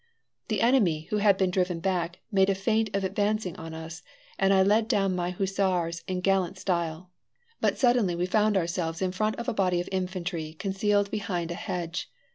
The enemy, who had been driven back, made a feint of advancing on us, and I led down my hussars in gallant style. But suddenly we found ourselves in front of a body of infantry concealed behind a hedge.